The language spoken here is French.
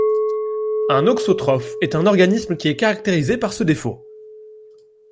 Un auxotrophe est un organisme qui est caractérisé par ce défaut.